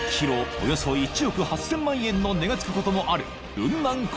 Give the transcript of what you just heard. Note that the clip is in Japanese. およそ１億８，０００万円の値が付くこともある雲南古